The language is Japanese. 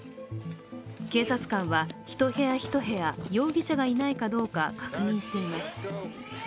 警察官は、一部屋一部屋容疑者がいないか確認しています。